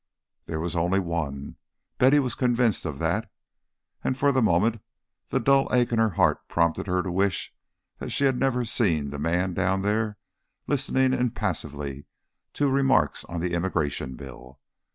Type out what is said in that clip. There was only one. Betty was convinced of that; and for the moment the dull ache in her heart prompted her to wish that she never had seen the man down there listening impassively to remarks on the Immigration bill.